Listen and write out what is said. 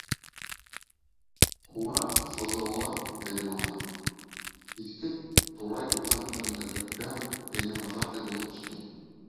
Һуңыраҡ ФЗО-ла белем ала, Иҫке Турай урта мәктәбендә өлкән пионервожатый булып эшләй.